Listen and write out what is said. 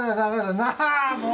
なあもう！